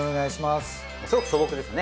すごく素朴ですね。